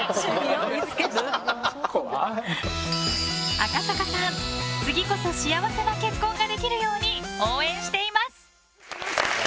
赤坂さん、次こそ幸せな結婚ができるように応援しています！